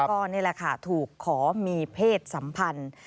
ก็นี่แหละค่ะถูกขอมีเพศสัมพันธ์